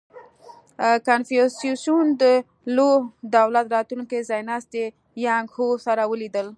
• کنفوسیوس د لو دولت راتلونکی ځایناستی یانګ هو سره ولیدل.